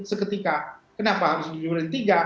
seketika kenapa harus di turin tiga